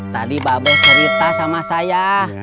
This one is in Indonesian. tadi babes cerita sama saya